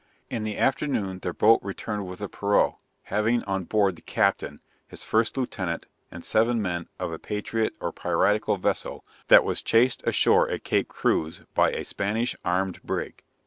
In the afternoon their boat returned with a perough, having on board the captain, his first lieutenant and seven men of a patriot or piratical vessel that was chased ashore at Cape Cruz by a Spanish armed brig.